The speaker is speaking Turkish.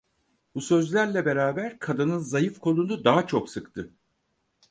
Bu sözlerle beraber kadının zayıf kolunu daha çok sıktı.